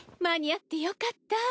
間に合ってよかった。